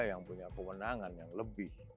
yang punya kewenangan yang lebih